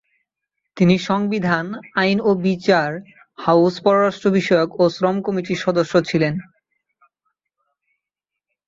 তিনি সংবিধান, আইন ও বিচার, হাউস, পররাষ্ট্র বিষয়ক ও শ্রম কমিটির সদস্য ছিলেন।